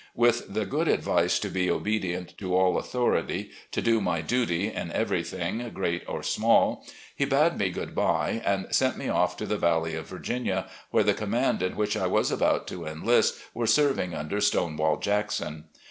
With the good advice to be obedient to all authority, to do my duty in everything, great or small, he bade me good bye, and sent me off to the Valley of Virginia, where the command in which I was about to enlist were serving under " Stonewall Jackson.